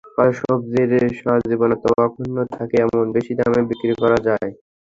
ফলে সবজির সজীবতা অক্ষুণ্ন থাকে এবং বেশি দামে বিক্রি করা যায়।